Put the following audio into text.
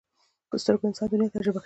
په سترګو انسان دنیا تجربه کوي